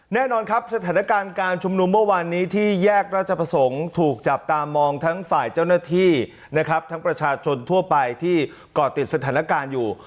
แน่นอนครับสถานการณ์การชุมนุมเมื่อวานนี้ที่แยกราชประสงค์ถูกจับตามองทั้งฝ่ายเจ้าหน้าที่นะครับทั้งประชาชนทั่วไปที่ก่อติดสถานการณ์อยู่